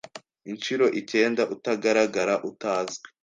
inshuro icyenda Utagaragara utazwi